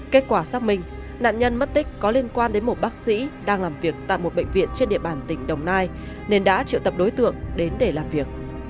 kết quả xác minh nạn nhân mất tích có liên quan đến một bác sĩ đang làm việc tại một bệnh viện trên địa bàn tỉnh đồng nai nên đã triệu tập đối tượng đến để làm việc